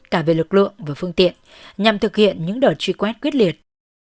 cả về lực lượng và phương tiện nhằm thực hiện những đợt truy quét quyết liệt